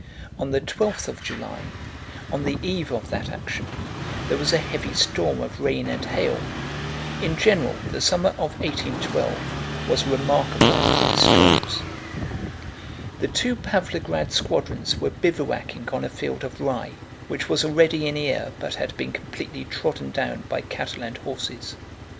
On the twelfth of July, on the eve of that action, there was a heavy storm of rain and hail. In general, the summer of 1812 was remarkable for its storms. The two Pávlograd squadrons were bivouacking on a field of rye, which was already in ear but had been completely trodden down by cattle and horses.